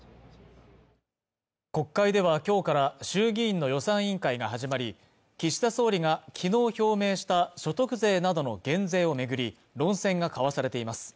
国会ではきょうから衆議院の予算委員会が始まり岸田総理が昨日表明した所得税などの減税を巡り論戦が交わされています